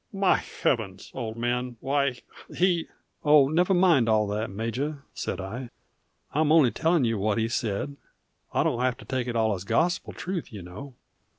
My Heavens, old man why, he " "Oh, never mind all that, Major," said I. "I'm only telling you what he said. I don't have to take it all as gospel truth, you know."